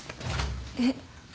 えっ。